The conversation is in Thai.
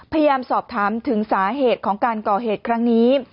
พยายามสอบถามถึงสาเหตุของการก่อเหตุครั้งนี้